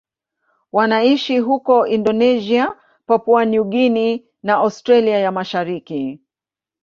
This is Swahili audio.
Wanaishi huko Indonesia, Papua New Guinea na Australia ya Mashariki.